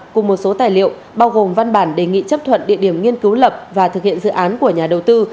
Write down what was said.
cùng một số tài liệu bao gồm văn bản đề nghị chấp thuận địa điểm nghiên cứu lập và thực hiện dự án của nhà đầu tư